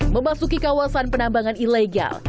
memasuki kawasan penambangan ilegal